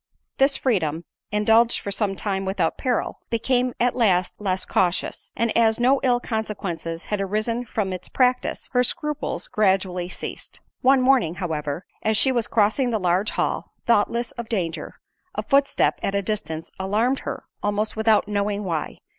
This freedom, indulged for some time without peril, became at last less cautious; and as no ill consequences had arisen from its practice, her scruples gradually ceased. One morning, however, as she was crossing the large hall, thoughtless of danger, a footstep at a distance alarmed her almost without knowing why.